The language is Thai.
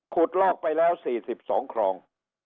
ลอกไปแล้ว๔๒คลอง